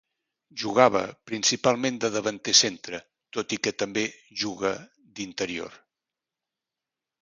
Jugava principalment de davanter centre, tot i que també jugà d'interior.